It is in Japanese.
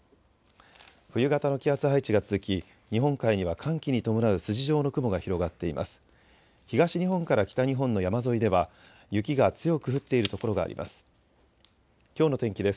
冬型の気圧配置が続き日本海には寒気に伴う筋状の雲が広がっています。